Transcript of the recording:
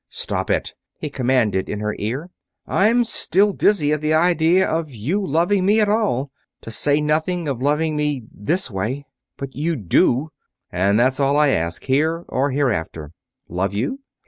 "Stop it!" he commanded in her ear. "I'm still dizzy at the idea of your loving me at all, to say nothing of loving me this way! But you do, and that's all I ask, here or hereafter." "Love you?